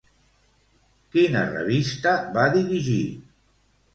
Quina revista va dirigir?